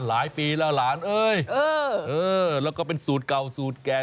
หลายปีแล้วหลานเอ้ยแล้วก็เป็นสูตรเก่าสูตรแก่